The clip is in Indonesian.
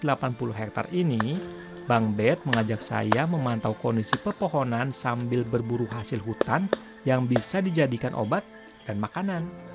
di hutan adat yang memiliki luas sembilan empat ratus delapan puluh hektar ini bang bet mengajak saya memantau kondisi pepohonan sambil berburu hasil hutan yang bisa dijadikan obat dan makanan